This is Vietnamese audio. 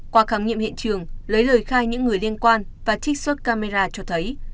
qua khám nghiệm hiện trường lấy lời khai những người liên quan và trích xuất camera cho thấy